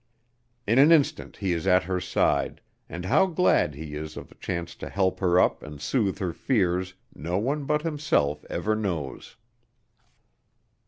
In an instant he is at her side, and how glad he is of the chance to help her up and soothe her fears no one but himself ever knows.